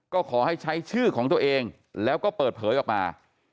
ก็ขอให้ใช้ชื่อของตัวเองแล้วก็เปิดเผยออกมา